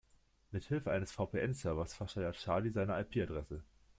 Mithilfe eines VPN-Servers verschleiert Charlie seine IP-Adresse.